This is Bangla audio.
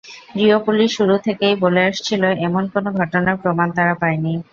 রিও পুলিশ শুরু থেকেই বলে আসছিল, এমন কোনো ঘটনার প্রমাণ তারা পায়নি।